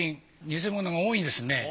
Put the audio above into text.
偽物が多いんですね。